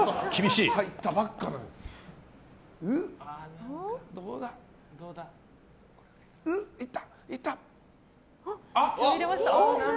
いった。